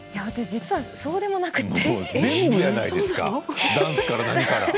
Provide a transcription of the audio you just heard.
実は私そうでもなくて。